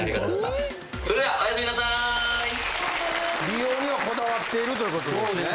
美容にはこだわっているということで。